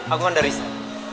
aku kan dari set